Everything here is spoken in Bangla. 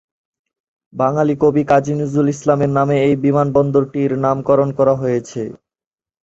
বাঙালি কবি কাজী নজরুল ইসলামের নামে এই বিমানবন্দরটির নামকরণ করা হয়েছে।